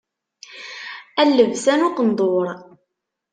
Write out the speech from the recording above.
A lebsa n uqendur.